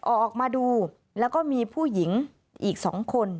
ออกมาดูแล้วก็มีผู้หญิงอีก๒คน